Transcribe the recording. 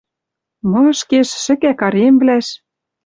Мышкеш, шӹкӓ каремвлӓш.